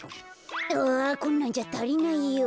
あこんなんじゃたりないよ。